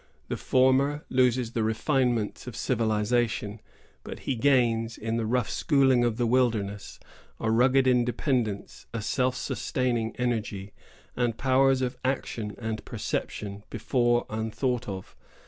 The former loses the refinements of civilization, but he gains, in the rough schooling of the wilderness, a rugged independence, a self sustaining energy, and powers of action and perception before unthought of.